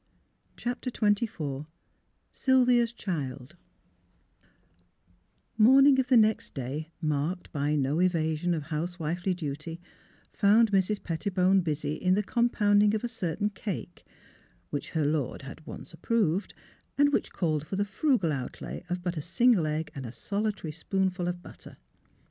CHAPTER XXIV SYLVIA'S CHILD Morning of the next day, marked by no evasion of housewifely duty, found Mrs. Pettibone busy in the compounding of a certain cake, which her lord had once approved, and which called for the frugal outlay of but a single egg and a solitary sjooonful of butter.